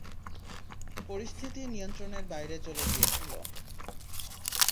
পরিস্থিতি নিয়ন্ত্রণের বাইরে চলে গিয়েছিল।